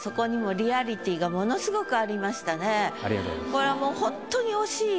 これはもうほんとに惜しい。